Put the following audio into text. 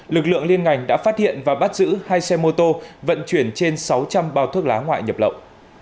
lực lượng liên ngành đã phát hiện và bắt giữ hai xe mô tô vận chuyển trên sáu trăm linh bao thuốc lá ngoại nhập lậu